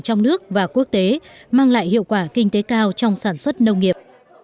trong nước và quốc tế mang lại hiệu quả kinh tế cao trong sản xuất nông nghiệp